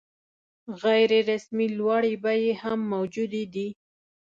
غیر رسمي لوړې بیې هم موجودې دي.